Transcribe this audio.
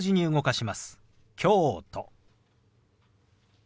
「京都」。